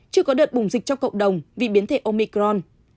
chưa có đợt bùng dịch trong cộng đồng vì biến thể omicron